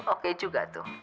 oke juga tuh